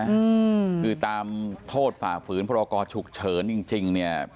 คือตามโทษฝากฝืนพรกชุกเฉินจริงเนี่ย